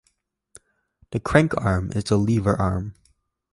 The crankarm is a lever arm.